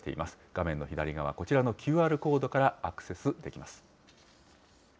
画面の左側、こちらのＱＲコードからアクセスできます。